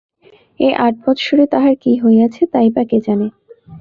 এ আট বৎসরে তাহার কী হইয়াছে তাই বা কে জানে।